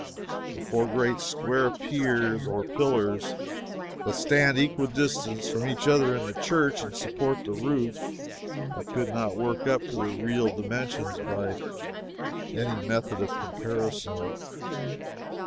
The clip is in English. The four great square piers or pillars that stand equidistant from each other in the church, and support the roof, I could not work up to their real dimensions by any method of comparison.